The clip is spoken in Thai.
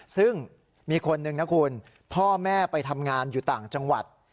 ซึ่งมีคนหนึ่งนะคุณพ่อแม่ไปทำงานอยู่ต่างจังหวัด